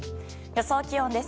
予想気温です。